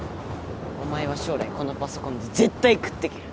お前は将来このパソコンで絶対食ってける